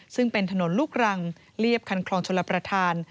ซึ่งเป็นถนนลูกรังเรียบคันคลองชลประธาน